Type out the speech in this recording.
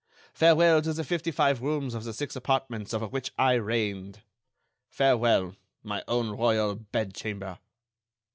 Farewell to the fifty five rooms of the six apartments over which I reigned! Farewell, my own royal bed chamber!"